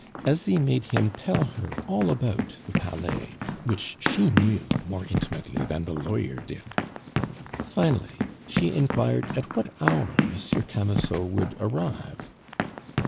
Asie made him tell her all about the Palais, which she knew more intimately than the lawyer did. Finally, she inquired at what hour Monsieur Camusot would arrive.